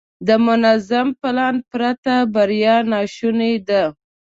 د منظم پلان پرته بریا ناشونې ده.